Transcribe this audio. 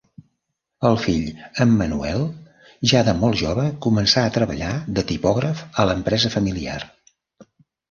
El fill, Emmanuel, ja de molt jove començà a treballar de tipògraf a l'empresa familiar.